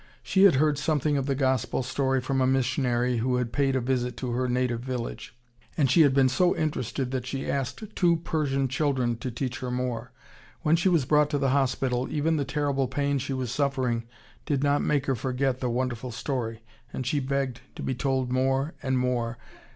She had heard something of the Gospel story from a missionary who had paid a visit to her native village, and she had been so interested that she asked two Persian children to teach her more. When she was brought to the hospital even the terrible pain she was suffering did not make her forget the wonderful story, and she begged to be told more and more.